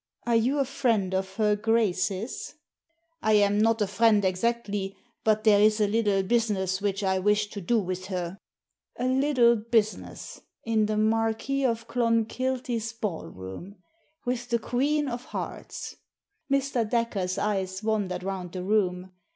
"Are you a friend of her Grace's?" "I am not a friend exactly, but there is a little business which I wish to do with her." A little business ! In the Marquis of Clonkilty's ballroom 1 With the Queen of Hearts 1 Mr. Dacre's eyes wandered round the room.